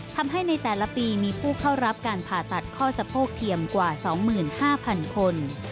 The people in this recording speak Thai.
ทำให้ในแต่ละปีมีผู้เข้ารับการผ่าตัดข้อสะโพกเทียมกว่า๒๕๐๐๐คน